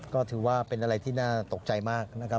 ก็ถือว่าเป็นอะไรที่น่าตกใจมากนะครับ